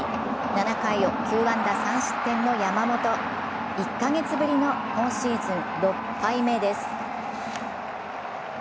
７回を９安打３失点の山本、１か月ぶりの今シーズン６敗目です。